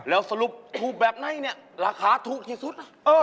แล้วสรุปทูปแบบไหนราคาถูกที่สุด